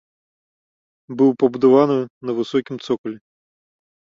Быў пабудаваны на высокім цокалі.